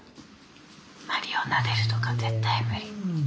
まりをなでるとか絶対無理。